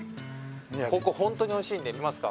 ここホントにおいしいんで行きますか？